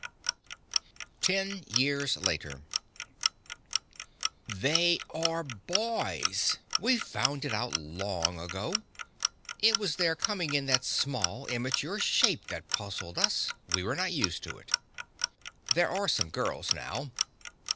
Ten Years Later They are boys; we found it out long ago. It was their coming in that small, immature shape that puzzled us; we were not used to it. There are some girls now.